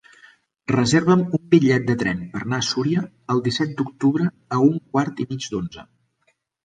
Reserva'm un bitllet de tren per anar a Súria el disset d'octubre a un quart i mig d'onze.